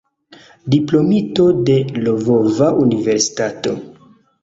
Diplomito de Lvova Universitato.